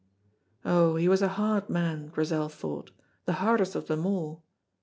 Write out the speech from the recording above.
Oh, he was a hard man, Grizel thought, the hardest of them all.